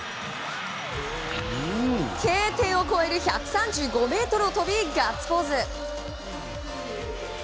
Ｋ点を越える１３５ｍを飛びガッツポーズ。